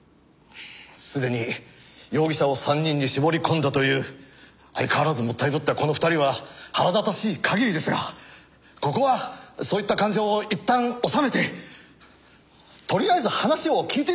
すでに容疑者を３人に絞り込んだという相変わらずもったいぶったこの２人は腹立たしい限りですがここはそういった感情をいったん収めてとりあえず話を聞いてみましょう。